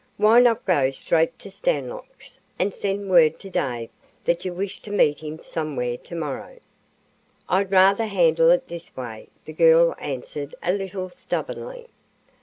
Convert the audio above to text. Why not go straight to Stanlocks' and send word to Dave that you wish to meet him somewhere tomorrow?" "I'd rather handle it this way," the girl answered a little stubbornly.